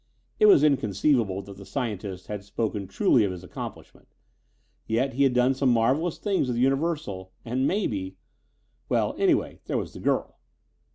It was inconceivable that the scientist had spoken truly of his accomplishment. Yet, he had done some marvelous things with Universal and, maybe well, anyway, there was the girl.